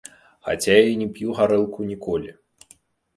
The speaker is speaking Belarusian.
Хаця я і не п'ю гарэлку ніколі.